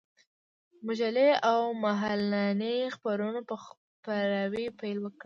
مجلې او مهالنۍ خپرونو په خپراوي پيل وكړ.